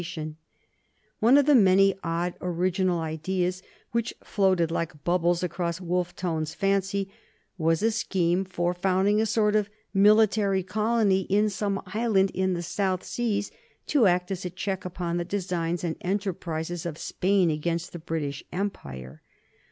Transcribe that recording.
[Sidenote: 1763 89 Theobald Wolfe Tone] One of the many odd, original ideas which floated like bubbles across Wolfe Tone's fancy was a scheme for founding a sort of military colony in some island in the South Seas, to act as a check upon the designs and enterprises of Spain against the British Empire.